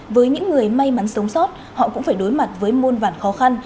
với những người may mắn sống sót họ cũng phải đối mặt với muôn vản khó khăn